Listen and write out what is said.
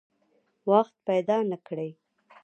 وخت پیدا نه کړي.